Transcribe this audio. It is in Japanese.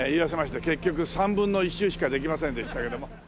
結局３分の１周しかできませんでしたけども。